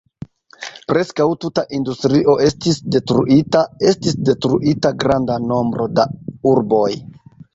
Preskaŭ tuta industrio estis detruita, estis detruita granda nombro da urboj.